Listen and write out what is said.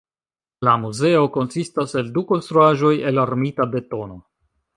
La muzeo konsistas el du konstruaĵoj el armita betono.